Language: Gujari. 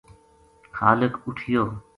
خالق اُٹھیو